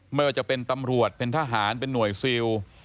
ไม่ว่าจะเป็นตำรวจเป็นทหารเป็นหน่วยซิล